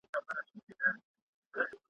په ځان روغ وو رنګ په رنګ یې خوراکونه ,